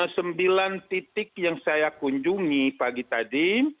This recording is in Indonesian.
sembilan titik yang saya kunjungi pagi tadi